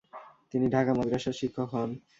তিনি ঢাকা মাদ্রাসার শিক্ষক হন।